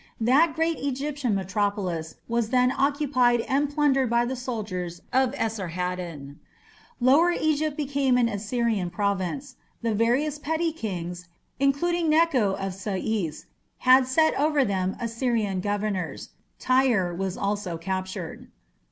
That great Egyptian metropolis was then occupied and plundered by the soldiers of Esarhaddon. Lower Egypt became an Assyrian province; the various petty kings, including Necho of Sais, had set over them Assyrian governors. Tyre was also captured.